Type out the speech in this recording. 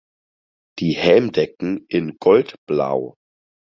Die Helmdecken in gold–blau.